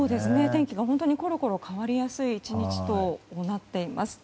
天気がころころ変わりやすい１日となっています。